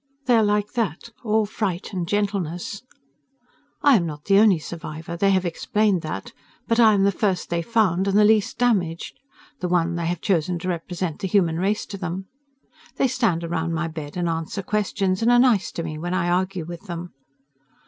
They are like that, all fright and gentleness. I am not the only survivor they have explained that but I am the first they found, and the least damaged, the one they have chosen to represent the human race to them. They stand around my bed and answer questions, and are nice to me when I argue with them.